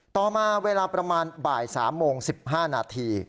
ต่อมาเวลาประมาณบ่าย๓โมง๑๕นาที